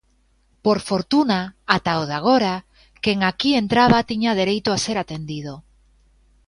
Por fortuna, ata o de agora, quen aquí entraba tiña dereito a ser atendido.